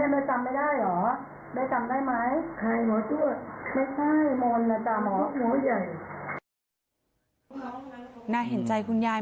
ไม่ได้มนต์เนี่ยจำออกมนต์ใหญ่